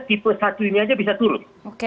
tipe satu ini aja bisa turun